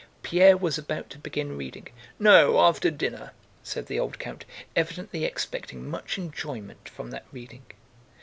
Pierre was about to begin reading. "No, after dinner," said the old count, evidently expecting much enjoyment from that reading.